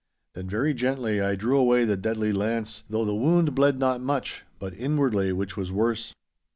Then very gently I drew away the deadly lance, though the wound bled not much, but inwardly, which was worse.